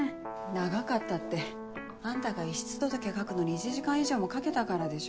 「長かった」ってあんたが遺失届書くのに１時間以上もかけたからでしょ。